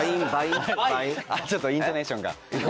ちょっとイントネーションが。